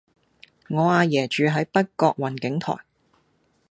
我阿爺住喺北角雲景台